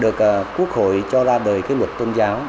được quốc hội cho ra bởi luật tôn giáo